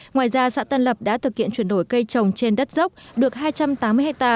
ngoài ra xã tân lập đã thực hiện chuyển đổi cây trồng trên đất dốc được hai trăm tám mươi hectare